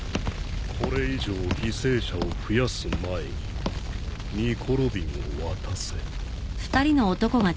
これ以上犠牲者を増やす前にニコ・ロビンを渡せ。